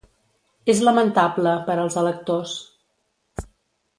És lamentable per als electors.